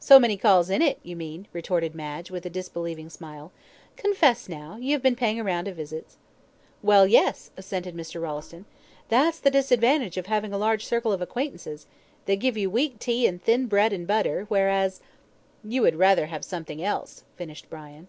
"So many calls in it, you mean," retorted Madge, with a disbelieving smile. "Confess, now, you have been paying a round of visits." "Well, yes," assented Mr. Rolleston; "that's the disadvantage of having a large circle of acquaintances. They give you weak tea and thin bread and butter, whereas " "You would rather have something else," finished Brian.